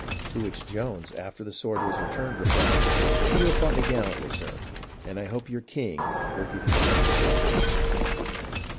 '' To which Jones, after the sword was returned, replied, "You have fought me gallantly, sir, and I hope your king will give you a better ship."